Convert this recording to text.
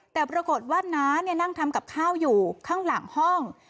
แต่ปรากฏว่าน้านั่งทำกับข้าวอยู่ข้างหลังห้อง